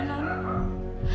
aku gak mungkin nikah sama dia